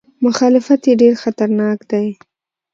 مخالفت یې ډېر خطرناک دی.